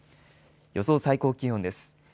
予想最高気温です。